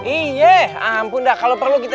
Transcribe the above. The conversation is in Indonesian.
iya ampun dah kalau perlu kita